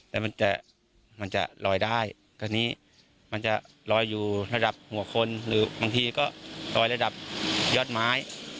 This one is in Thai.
แล้วมันจะมันจะลอยได้ตอนนี้มันจะลอยอยู่ระดับหัวคนหรือบางทีก็ลอยระดับยอดไม้